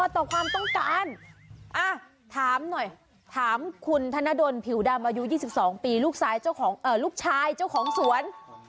ถามหน่อยถามคุณธนดลผิวดำอายุ๒๒ปีลูกชายเจ้าของสวน